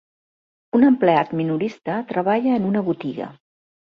Un empleat minorista treballa en una botiga.